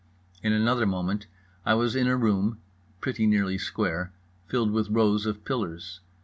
In another moment I was in a room, pretty nearly square, filled with rows of pillars.